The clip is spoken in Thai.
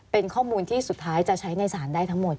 เป็นข้อมูลที่สุดท้ายจะใช้ในศาลได้ทั้งหมด